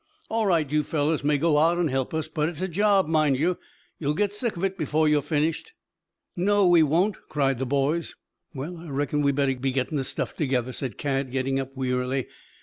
"All right, you fellows may go out and help us, but it's a job, mind you! You'll get sick of it before you've finished." "No we won't," cried the boys. "Well, I reckon we'd better be getting the stuff together," said Cad getting up wearily.